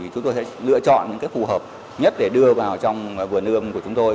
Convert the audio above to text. chúng tôi sẽ lựa chọn những phù hợp nhất để đưa vào trong vườn ươm của chúng tôi